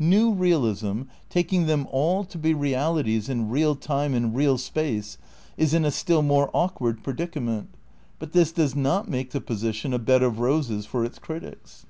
New realism, taking them all to be realities in real time and real space, is in a still more awkward predicament, but this does not make the position a bed of roses for its critics.